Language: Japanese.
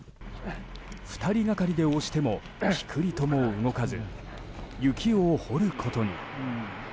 ２人がかりで押してもピクリとも動かず雪を掘ることに。